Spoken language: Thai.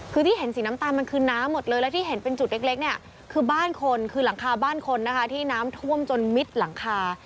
คือที่เห็นสีน้ำตาลมันคือน้ำหมดเลยแล้วที่เห็นเป็นจุดเล็กเนี่ยคือบ้านคนคือหลังคาบ้านคนนะคะที่น้ำท่วมจนมิดหลังคา